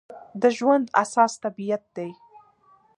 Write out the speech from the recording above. د ژوند اساس طبیعت دی.